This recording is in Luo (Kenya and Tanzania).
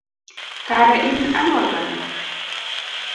Kare in anyuolana?